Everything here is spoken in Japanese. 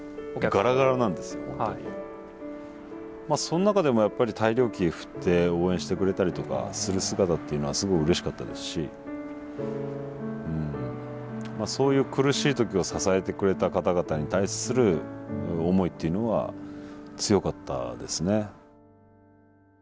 まあそん中でもやっぱり大漁旗振って応援してくれたりとかする姿っていうのはすごいうれしかったですしまあそういう苦しい時を支えてくれた方々に対する思いっていうのは強かったですね。